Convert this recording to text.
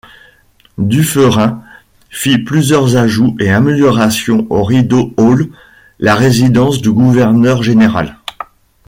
Dufferin fit plusieurs ajouts et améliorations à Rideau Hall, la résidence du gouverneur général.